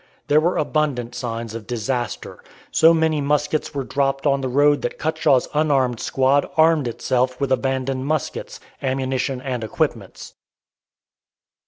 There were abundant signs of disaster. So many muskets were dropped on the road that Cutshaw's unarmed squad armed itself with abandoned muskets, ammunition, and equipments.